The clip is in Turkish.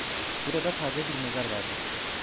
Burada taze bir mezar vardı.